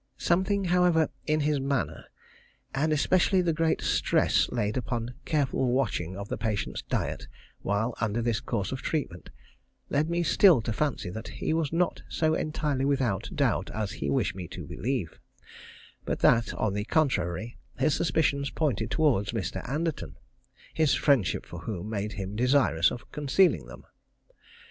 Something, however, in his manner, and especially the great stress laid upon careful watching of the patient's diet while under this course of treatment, led me still to fancy that he was not so entirely without doubt as he wished me to believe; but that, on the contrary, his suspicions pointed towards Mr. Anderton, his friendship for whom made him desirous of concealing them.